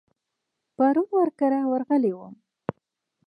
پرون ور کره ورغلی وم.